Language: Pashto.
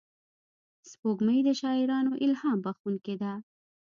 سپوږمۍ د شاعرانو الهام بښونکې ده